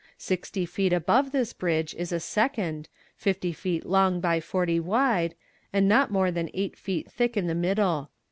Sixty feet above this bridge is a second, fifty feet long by forty wide, and not more than eight feet thick in the middle.